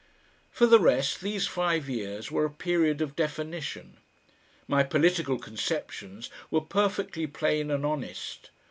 For the rest these five years were a period of definition. My political conceptions were perfectly plain and honest.